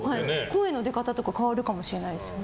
声の出方とか変わるかもしれないですね。